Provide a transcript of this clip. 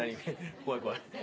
怖い怖い。